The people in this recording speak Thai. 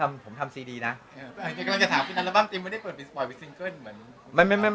กำลังจะถามอัลบั้มที่มันได้เปิดบินสปอยด์วิทย์ซิงเกิ้ล